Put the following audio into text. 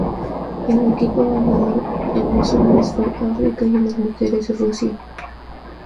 El equipo ganador en los hombres fue África y en las mujeres Rusia.